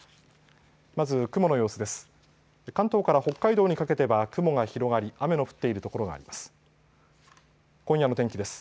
まず雲の様子です。